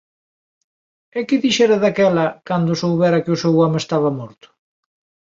E que dixera daquela, cando soubera que o seu home estaba morto?